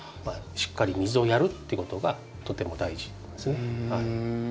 しっかり水をやるっていうことがとても大事なんですね。